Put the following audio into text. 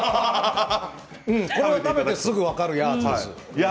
これは食べてすぐ分かるやつです。